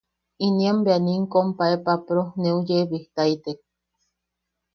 Inien bea in compae Papro neu yeebijtaitek.